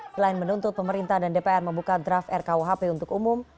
selain menuntut pemerintah dan dpr membuka draft rkuhp untuk umum